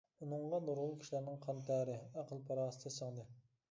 ئۇنىڭغا نۇرغۇن كىشىلەرنىڭ قان-تەرى، ئەقىل-پاراسىتى سىڭدى.